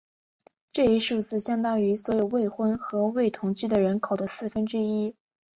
这一数字相当于所有未婚或未同居的人口的四分之一。